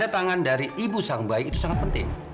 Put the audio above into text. tanda tangan dari ibu sang bayi itu sangat penting